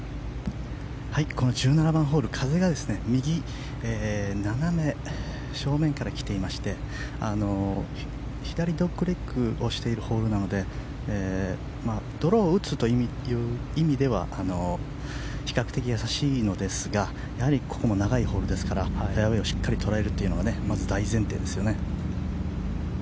この１７番ホール風が右斜め正面から来ていまして左ドッグレッグをしているホールなのでドローを打つという意味では比較的易しいのですがここも長いホールですからフェアウェーをしっかり捉えるというのがまず大前提ですよね。